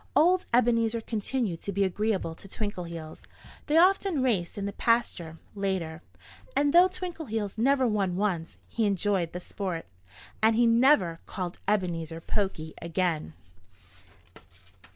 Old Ebenezer continued to be agreeable to Twinkleheels. They often raced in the pasture, later. And though Twinkleheels never won once, he enjoyed the sport. And he never called Ebenezer "poky" again.